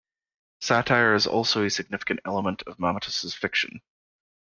Satire is also a significant element of Mamatas's fiction.